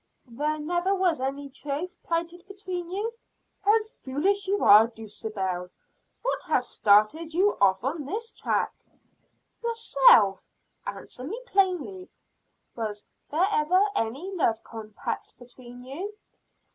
"There never was any troth plighted between you?" "How foolish you are, Dulcibel! What has started you off on this track?" "Yourself. Answer me plainly. Was there ever any love compact between you?"